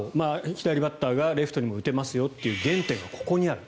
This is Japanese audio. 左バッターがレフトにも打てますよという原点はここにある。